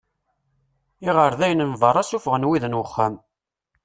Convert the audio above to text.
Iɣerdayen n berra ssuffɣen wid n uxxam.